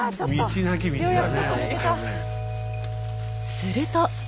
すると。